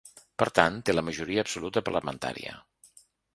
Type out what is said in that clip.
Per tant, té la majoria absoluta parlamentària.